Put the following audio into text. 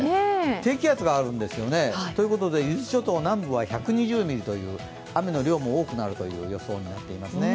低気圧があるんですよね。ということで伊豆諸島南部は１２０ミリという雨の量も多くなるという予想になっていますね。